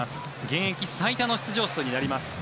現役最多の出場数になります。